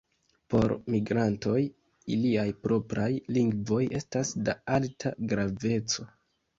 Por migrantoj iliaj propraj lingvoj estas de alta graveco.